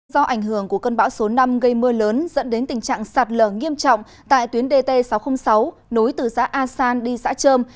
do ảnh hưởng của cơn bão số năm gây mưa lớn dẫn đến tình trạng sạt lở nghiêm trọng tại tuyến dt sáu trăm linh sáu nối từ xã a san đi xã trơm